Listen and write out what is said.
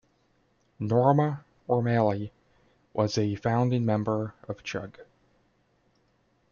Norma O'Malley was a founding member of Chug.